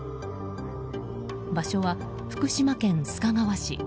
場所は福島県須賀川市。